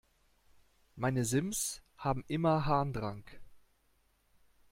Meine Sims haben immer Harndrang.